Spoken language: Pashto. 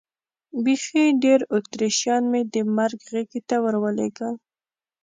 بیخي ډېر اتریشیان مې د مرګ غېږې ته ور ولېږل.